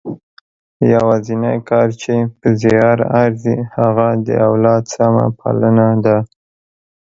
یوازنۍ کار چې په زیار ارزي هغه د اولاد سمه پالنه ده.